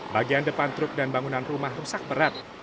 bagian depan truk dan bangunan rumah rusak berat